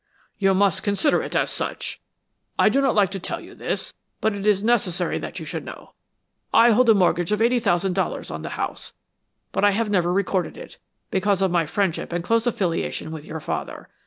"You must consider it as such. I do not like to tell you this, but it is necessary that you should know. I hold a mortgage of eighty thousand dollars on the house, but I have never recorded it, because of my friendship and close affiliation with your father.